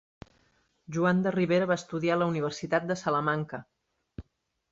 Joan de Ribera va estudiar a la Universitat de Salamanca.